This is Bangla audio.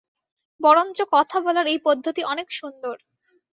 বরঞ্চ কথা বলার এই পদ্ধতি অনেক সুন্দর।